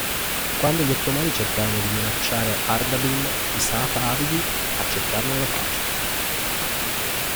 Quando gli ottomani cercarono di minacciare Ardabil i safavidi accettarono la pace.